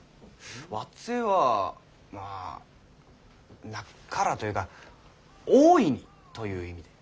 「わっぜぇ」はまあ「なっから」というか「大いに」という意味で。